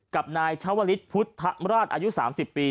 กับนายชาวลิศพุทธราชอายุ๓๐ปี